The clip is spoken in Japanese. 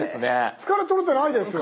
疲れとれてないですよ。